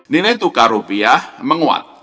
nilai tukar rupiah menguat